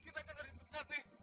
kita kena rindu pesat nih